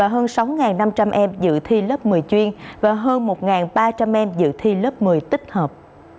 hơn sáu năm trăm linh em dự thi lớp một mươi chuyên và hơn một ba trăm linh em dự thi lớp một mươi tích hợp